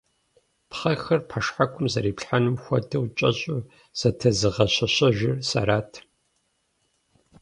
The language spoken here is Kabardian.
Пхъэхэр, пэшхьэкум зэриплъхьэнум хуэдэу, кӀэщӀу зэтезыгъэщэщэжыр сэрат.